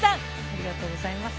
ありがとうございます